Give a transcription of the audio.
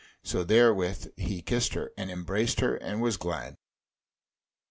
So therewith he kissed her, and embraced her, and was glad.